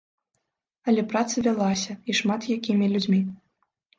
Але праца вялася, і шмат якімі людзьмі.